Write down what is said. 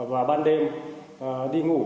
vào ban đêm đi ngủ